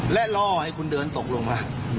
และล่อให้คุณเดินตกลงมา